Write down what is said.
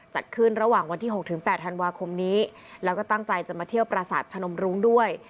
จัดขึ้นระหว่างวันที่๖๘ธันวาคมนี้แล้วก็ตั้งใจจะมาเที่ยวประสาทพนมรุ้งด้วย